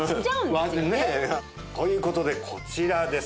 という事でこちらです。